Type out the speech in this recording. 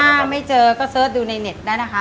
ถ้าไม่เจอก็เสิร์ชดูในเน็ตได้นะคะ